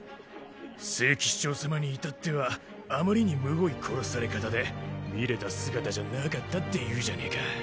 聖騎士長様にいたってはあまりにむごい殺され方で見れた姿じゃなかったっていうじゃねぇか。